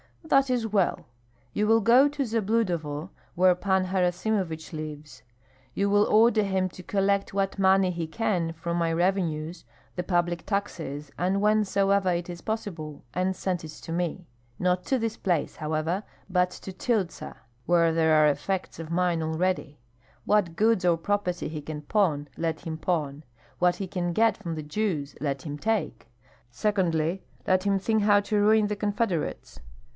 "That is well. You will go to Zabludovo, where Pan Harasimovich lives; you will order him to collect what money he can from my revenues, the public taxes and whencesoever it is possible, and send it to me, not to this place, however, but to Tyltsa, where there are effects of mine already. What goods or property he can pawn, let him pawn; what he can get from the Jews, let him take. Secondly, let him think how to ruin the confederates.